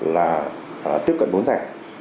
là tiếp cận vốn rẻ